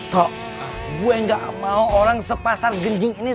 toh gue gak mau orang sepasar genjing ini